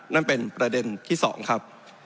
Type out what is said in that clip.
นั่นเป็นประเด็นที่๒ครับ